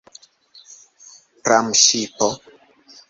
Pramŝipo!